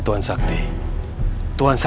tapi saya sudah dianggap dengannya